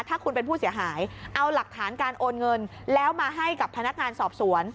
ถ้าคุณเป็นผู้เสียหายเอาหลักฐานการโอนเงินแล้วมาให้กับพนักงานสอบสวน